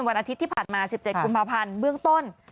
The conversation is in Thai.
วันอาทิตย์ที่ผ่านมา๑๗กุมภาพันธ์เบื้องต้น